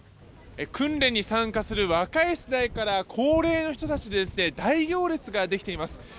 訓練に参加する若い世代から高齢の人たちで大行列ができています。